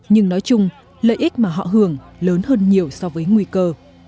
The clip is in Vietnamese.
nhưng nói chung lợi ích mà họ hưởng lớn hơn nhiều so với nguy cơ